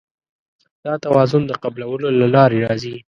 دا توازن د قبلولو له لارې راځي.